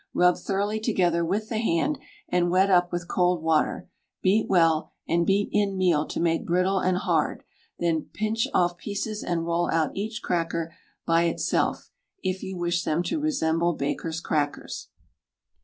Rub thoroughly together with the hand, and wet up with cold water; beat well, and beat in meal to make brittle and hard; then pinch off pieces and roll out each cracker by itself, if you wish them to resemble baker's crackers.